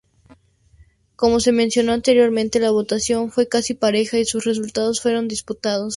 Como se menciono anteriormente, la votación fue casi pareja y sus resultados fueron disputados.